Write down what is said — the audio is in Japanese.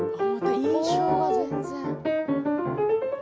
印象が全然。